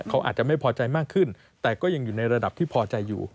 เขาอาจจะไม่พอใจมากขึ้นแต่ก็ยังอยู่ในระดับที่พอใจอยู่